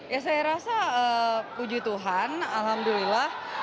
ya saya rasa puji tuhan alhamdulillah